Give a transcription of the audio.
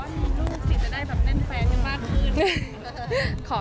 มีลูกสิจะได้แบบแน่นแฟนกันมากขึ้น